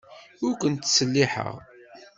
Ur ken-ttselliḥeɣ.